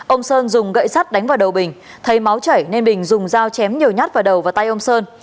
ông sơn dùng gậy sắt đánh vào đầu bình thấy máu chảy nên bình dùng dao chém nhiều nhát vào đầu và tay ông sơn